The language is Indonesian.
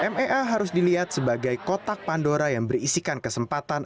mea harus dilihat sebagai kotak pandora yang berisikan kesempatan